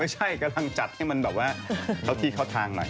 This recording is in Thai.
กำลังจัดให้มันแบบว่าเข้าที่เข้าทางหน่อย